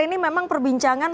ini memang perbincangan